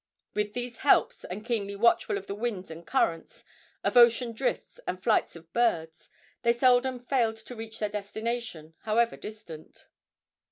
With these helps, and keenly watchful of the winds and currents, of ocean drifts and flights of birds, they seldom failed to reach their destination, however distant.